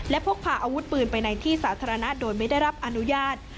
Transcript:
และพกพาอาวุธปืนไปในที่สาธารณะโดยไม่ได้รับอนุญาต